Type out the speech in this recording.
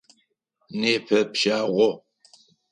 Непэ пщагъо.